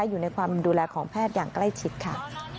อยู่ในความดูแลของแพทย์อย่างใกล้ชิดค่ะ